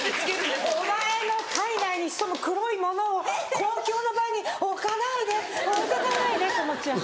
お前の体内に潜む黒いものを公共の場に置かないで置いてかないでと思っちゃう。